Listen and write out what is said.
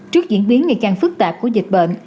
trước diễn biến ngày càng phức tạp của dịch bệnh